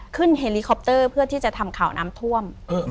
เฮลิคอปเตอร์เพื่อที่จะทำข่าวน้ำท่วม